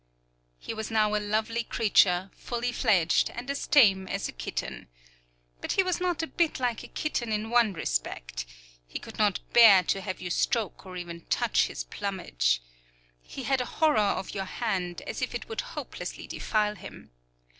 He was now a lovely creature, fully fledged, and as tame as a kitten. But he was not a bit like a kitten in one respect, he could not bear to have you stroke or even touch his plumage. He had a horror of your hand, as if it would hopelessly defile him.